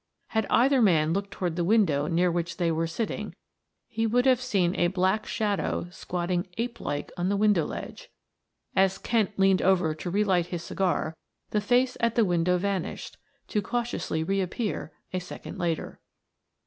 Had either man looked toward the window near which they were sitting, he would have seen a black shadow squatting ape like on the window ledge. As Kent leaned over to relight his cigar, the face at the window vanished, to cautiously reappear a second later.